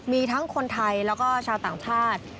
มีทั้งคนไทยแล้วก็ชาวต่างชาติ